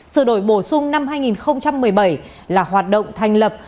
sự đổi bổ sung năm hai nghìn một mươi bảy là hoạt động thành lập